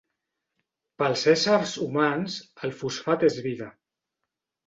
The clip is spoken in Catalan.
Pels éssers humans el fosfat és vida.